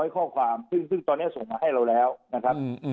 ข้อความซึ่งตอนนี้ส่งมาให้เราแล้วนะครับ